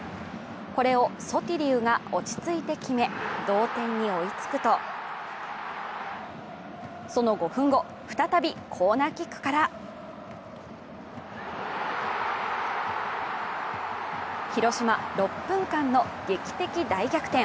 これをソティリウが落ち着い決め、同点に追いつくとその５分後、再びコーナーキックから広島、６分間の劇的大逆転。